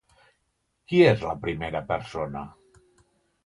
Qui és la primera persona?